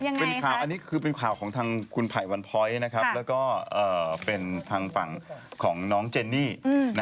ก็นี่ไงเป็นข่าวอันนี้คือเป็นข่าวของทางคุณไผ่วันพลอยนะครับแล้วก็เป็นฝั่งของน้องเจนนี่นะครับ